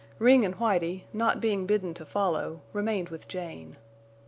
Ring and Whitie, not being bidden to follow, remained with Jane.